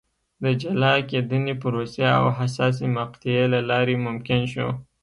د جلا کېدنې پروسې او حساسې مقطعې له لارې ممکن شو.